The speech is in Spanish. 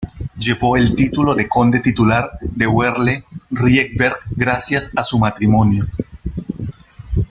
Llevó el título de conde titular de Werle-Rietberg gracias a su matrimonio.